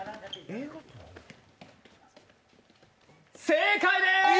正解です！